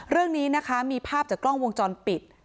เรื่องนี้นะคะมีภาพจากกล้องวงจรปิด